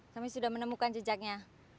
kami sudah menemukan jejaknya